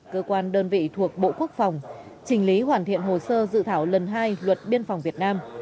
cơ quan đơn vị thuộc bộ quốc phòng trình lý hoàn thiện hồ sơ dự thảo lần hai luật biên phòng việt nam